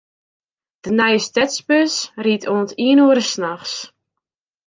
De nije stedsbus rydt oant iene oere nachts.